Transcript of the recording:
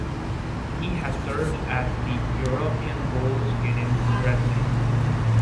He has served as the European Bowls Union President.